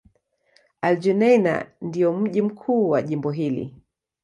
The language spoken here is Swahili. Al-Junaynah ndio mji mkuu wa jimbo hili.